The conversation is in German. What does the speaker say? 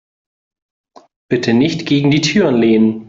Bitte nicht gegen die Türen lehnen.